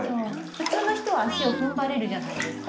普通の人は足を踏ん張れるじゃないですか。